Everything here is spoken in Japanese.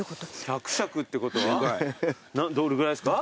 百尺ってことはどれぐらいですか？